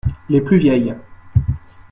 Les plus vieilles.